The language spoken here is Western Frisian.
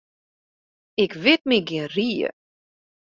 Ik wit my gjin rie.